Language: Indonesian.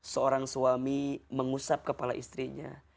seorang suami mengusap kepala istrinya